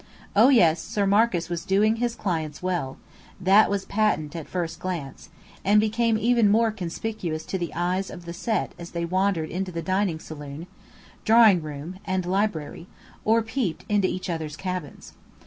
Oh, yes, Sir Marcus was "doing" his clients well, that was patent at first glance, and became even more conspicuous to the eyes of the Set as they wandered into the dining saloon, drawing room and library, or peeped into each other's cabins.